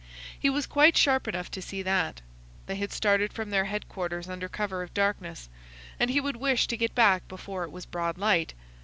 He was quite sharp enough to see that. They had started from their head quarters under cover of darkness, and he would wish to get back before it was broad light.